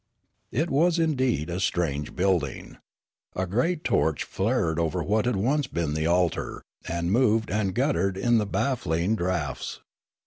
It was indeed a strange building, A great torch flared over what had once been the altar, and moved and guttered in the baffling draughts.